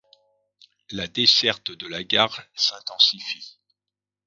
La desserte de la gare s'intensifie.